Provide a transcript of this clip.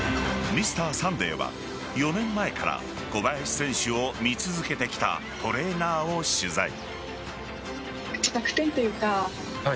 「Ｍｒ．サンデー」は４年前から小林選手を見続けてきたトレーナーを取材。